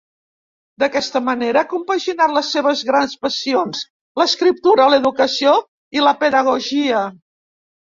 D'aquesta manera ha compaginat les seves grans passions: l'escriptura, l'educació i la pedagogia.